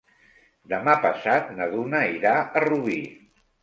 Demà passat na Duna irà a Rubí.